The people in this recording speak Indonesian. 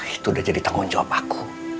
itu udah jadi tanggung jawab aku